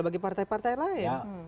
bagi partai partai lain